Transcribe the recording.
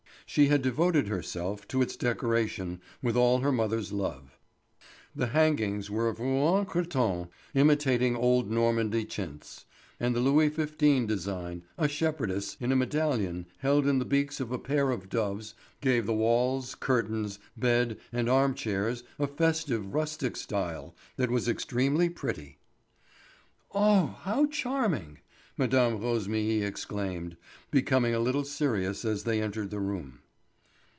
She had devoted herself to its decoration with all her mother's love. The hangings were of Rouen cretonne imitating old Normandy chintz, and the Louis XV. design—a shepherdess, in a medallion held in the beaks of a pair of doves—gave the walls, curtains, bed, and arm chairs a festive, rustic style that was extremely pretty! "Oh, how charming!" Mme. Rosémilly exclaimed, becoming a little serious as they entered the room.